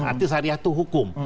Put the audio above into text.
arti syariah itu hukum